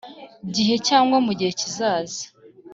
Gihe cyangwa mu gihe kizaza